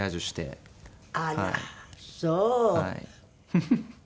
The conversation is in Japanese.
フフフフ！